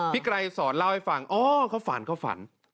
พี่ไกรสอนเล่าให้ฟังอ๋อเขาฝัน